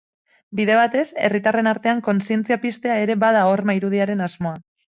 Bide batez, herritarren artean kontzientzia piztea ere bada horma irudiaren asmoa.